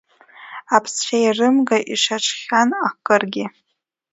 Аԥсцәеирымга, ишьаҽхьан акыргьы.